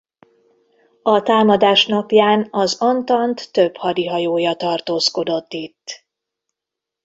A támadás napján az antant több hadihajója tartózkodott itt.